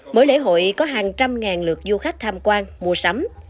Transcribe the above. mỗi lễ hội có hàng trăm ngàn lượt du khách tham quan mua sắm